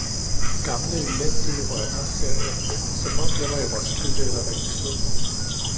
gamle, elendige rønner ser jeg, som om jeg var i Roskilde eller Ringsted!